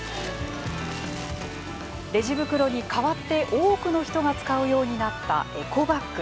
レジ袋に代わって多くの人が使うようになったエコバッグ。